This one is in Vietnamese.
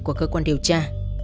của cơ quan điều tra